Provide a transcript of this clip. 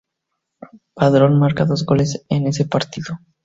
Padrón marca dos goles en ese partido.